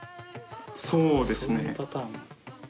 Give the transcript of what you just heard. そうですね。